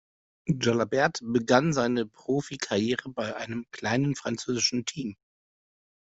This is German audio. Jalabert begann seine Profikarriere bei einem kleinen französischen Team.